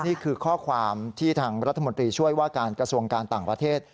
นี่คือข้อความที่ทางรัฐมนตรีช่วยว่าการกระทรวงการต่างประเทศ